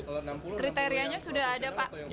kriterianya sudah ada pak